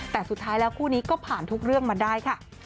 แต่สุดท้ายแล้วคู่นี้ก็ผ่านทุกเรื่องมาได้ค่ะ